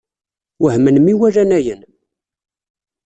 Wehmen mi walan ayen.